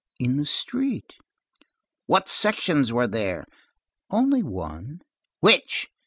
"In the street." "What sections were there?" "Only one." "Which?"